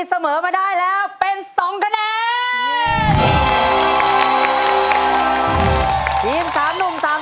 เสื้อคนละท่ำเป็นฝ่ายชนะ